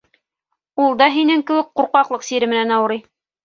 Ул да һинең кеүек ҡурҡаҡлыҡ сире менән ауырый.